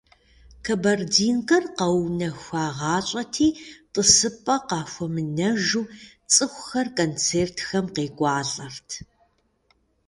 «Кабардинкэр» къэунэхуагъащӀэти, тӀысыпӀэ къахуэмынэжу цӀыхухэр концертхэм къекӀуалӀэрт.